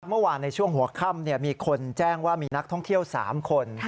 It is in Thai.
เมื่อวานในช่วงหัวค่ำมีคนแจ้งว่ามีนักท่องเที่ยว๓คน